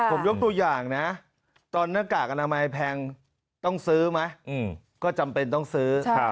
ผมยกตัวอย่างนะตอนหน้ากากอนามัยแพงต้องซื้อไหมก็จำเป็นต้องซื้อ